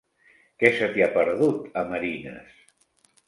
Què se t'hi ha perdut, a Marines?